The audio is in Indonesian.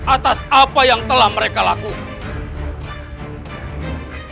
atas apa yang telah mereka lakukan